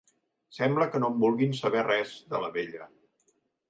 Sembla que no en vulguin saber res, de la vella.